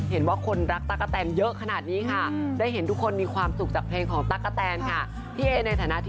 ป่ากันร้องสองคนหน้ายังหนักมาก